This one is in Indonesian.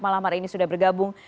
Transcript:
malam hari ini sudah bergabung